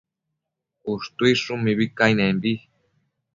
Ushtuidshun mibi cainembi